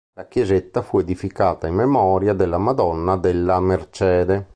La chiesetta fu edificata in memoria della Madonna della Mercede.